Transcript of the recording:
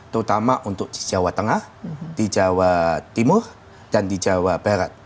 terutama untuk di jawa tengah di jawa timur dan di jawa barat